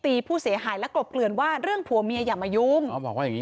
อันนี้ผู้หญิงบอกว่าช่วยด้วยหนูไม่ได้เป็นอะไรกันเขาจะปั้มหนูอะไรอย่างนี้